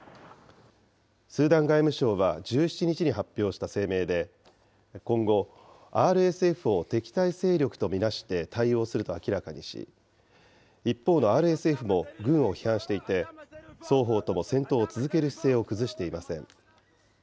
スーダン外務省は１７日に発表した声明で、今後、ＲＳＦを敵対勢力と見なして対応すると明らかにし、一方のＲＳＦも軍を批判していて、双方とも戦闘を続ける姿勢を崩していません。